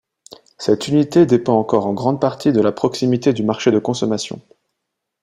Cette unité dépend encore en grande partie de la proximité du marché de consommation.